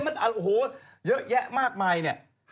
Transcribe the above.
มันโอ้โหเยอะแยะมากมายเนี่ย